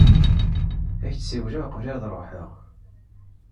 Ad ak-d-siwleɣ uqbel ad ruḥeɣ.